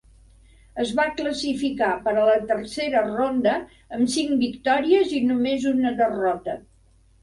Es va classificar per a la Tercera ronda amb cinc victòries i només una derrota.